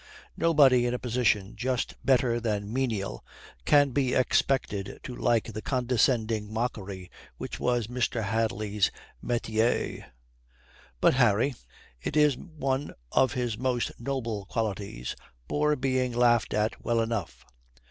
Nobody in a position just better than menial can be expected to like the condescending mockery which was Mr. Hadley's metier. But Harry it is one of his most noble qualities bore being laughed at well enough.